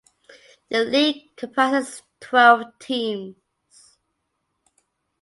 The league comprises twelve teams.